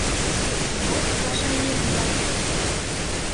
Вот пашаеҥ-влакет!